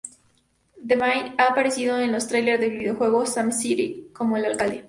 DeVine ha aparecido en los tráiler del videojuego "SimCity" como el alcalde.